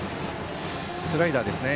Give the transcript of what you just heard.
スライダーでしたね。